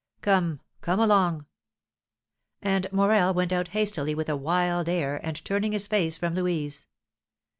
Come! Come along!" And Morel went out hastily with a wild air, and turning his face from Louise.